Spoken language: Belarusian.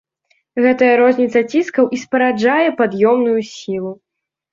Гэтая розніца ціскаў і спараджае пад'ёмную сілу.